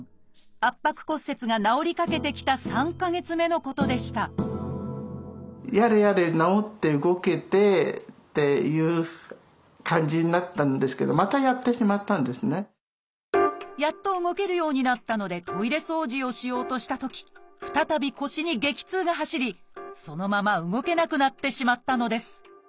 圧迫骨折が治りかけてきた３か月目のことでしたやっと動けるようになったのでトイレ掃除をしようとしたとき再び腰に激痛が走りそのまま動けなくなってしまったのです。